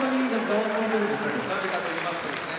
「なぜかといいますとですね